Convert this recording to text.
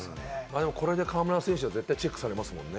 これで河村選手は絶対にチェックされますもんね。